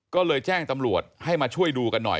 ก็เลยแจ้งตำรวจให้มาช่วยดูกันหน่อย